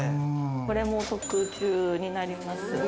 これも特注になりますね。